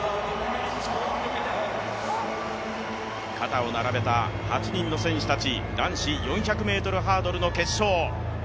肩を並べた８人の戦士たち、男子４００ｍハードルの決勝。